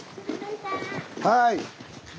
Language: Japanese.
はい。